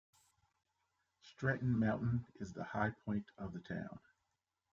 Stratton Mountain is the high point of the town.